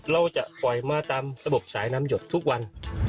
เราจะปล่อยมาตามระบบสายน้ำหยดทุกวัน